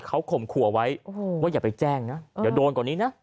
เขาข่มขู่เอาไว้ว่าอย่าไปแจ้งนะเดี๋ยวโดนกว่านี้นะ